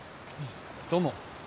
どうも。